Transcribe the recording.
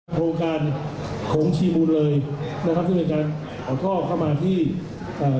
โครงการโขงชีมูนเลยนะครับที่เป็นการขอท่อเข้ามาที่อ่า